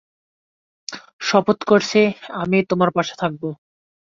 শপথ করছি আমিই তোমার পাশে থাকব।